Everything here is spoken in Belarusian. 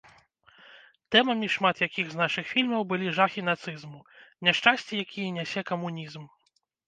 Тэмамі шмат якіх з нашых фільмаў былі жахі нацызму, няшчасці, якія нясе камунізм.